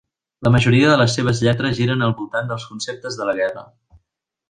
La majoria de les seves lletres giren al voltant dels conceptes de la guerra.